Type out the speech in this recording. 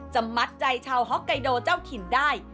มัดใจชาวฮ็อกไกโดเจ้าถิ่นได้